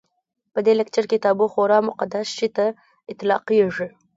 په دې کلچر کې تابو خورا مقدس شي ته اطلاقېږي.